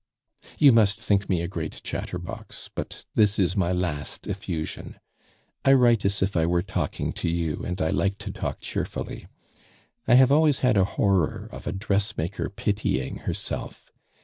"You must think me a great chatterbox; but this is my last effusion. I write as if I were talking to you, and I like to talk cheerfully. I have always had a horror of a dressmaker pitying herself.